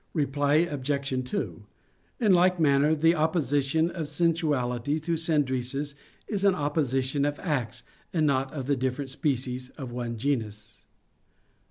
Reply Obj. 2: In like manner, the opposition of sensuality to "syneresis" is an opposition of acts, and not of the different species of one genus.